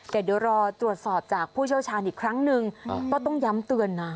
แต่เดี๋ยวรอตรวจสอบจากผู้เชี่ยวชาญอีกครั้งหนึ่งก็ต้องย้ำเตือนนะ